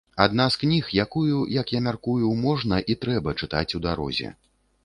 Адна з кніг, якую, як я мяркую, можна і трэба чытаць у дарозе.